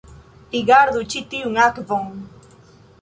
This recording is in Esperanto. Rigardu ĉi tiun akvon